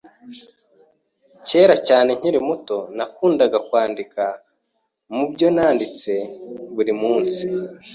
Kera cyane nkiri muto, nakundaga kwandika mubyo nanditse buri munsi.